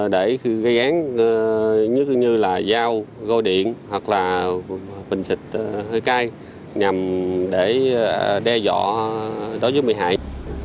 để gây án như giao gô điện hoặc là bình xịt hơi cay nhằm để đe dọa đối với bị hại